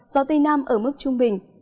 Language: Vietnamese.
gió tây nam ở mức trung bình